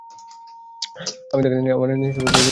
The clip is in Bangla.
আমি তাকে আমার নিজস্ব পদ্ধতিতে ভালবাসতাম।